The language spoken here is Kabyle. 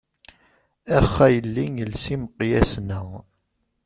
Ax a yelli els imeqyasen-a.